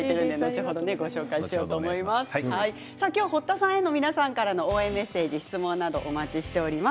今日は堀田さんへの皆さんからの応援メッセージ質問などお待ちしています。